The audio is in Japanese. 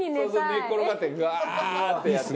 寝っ転がってグワーッてやって。